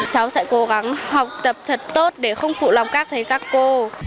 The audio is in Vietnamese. cháu sẽ cố gắng học tập thật tốt để không phụ lòng các thấy các cô